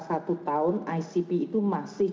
satu tahun icp itu masih